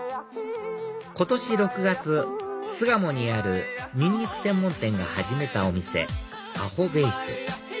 今年６月巣鴨にあるニンニク専門店が始めたお店